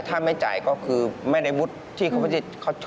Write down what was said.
ถ้าไม่จ่ายก็คือแม่นายบุษที่เขาจบม๓แล้ว